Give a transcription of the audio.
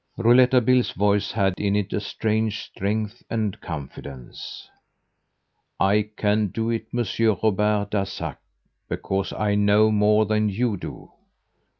Rouletabille's voice had in it a strange strength and confidence. "I can do it, Monsieur Robert Darzac, because I know more than you do!"